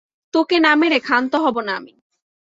তোকে না মেরে ক্ষান্ত হবো না আমি।